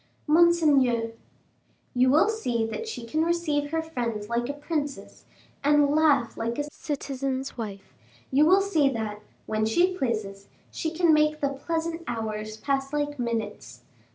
"Monseigneur " "You will see that she can receive her friends like a princess, and laugh like a citizen's wife; you will see that, when she pleases, she can make the pleasant hours pass like minutes.